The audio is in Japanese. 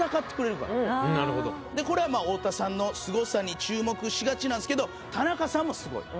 これはまあ太田さんのすごさに注目しがちなんですけど田中さんもすごい。